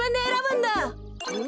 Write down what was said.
ん？